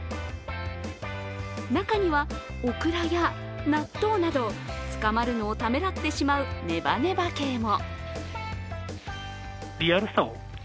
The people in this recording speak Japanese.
中にはおくらや、納豆などつかまるのをためらってしまうねばねば系も。